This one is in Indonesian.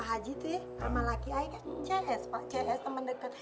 pak haji itu ya sama laki laki saya kan cs teman dekat